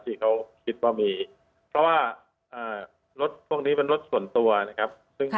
ที่เขาคิดว่ามีเพราะว่ารถพวกนี้เป็นรถส่วนตัวนะครับ